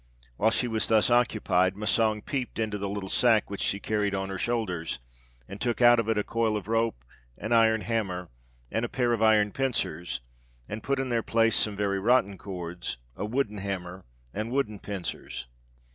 While she was thus occupied, Massang peeped into the little sack which she carried on her shoulders, and took out of it a coil of rope, an iron hammer, and a pair of iron pincers, and put in their place some very rotten cords, a wooden hammer, and wooden pincers.